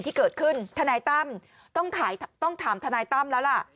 ที่เกิดขึ้นทนายตั้มต้องถามทนายตั้มแล้วล่ะ